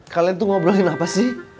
kalian tuh ngobrolin apa sih